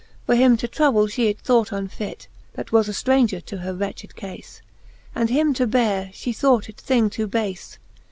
For him to trouble fhe it thought unfit, That was a flraunger to her wretched cafe j And him to beare, fhe thought it thing too bafe.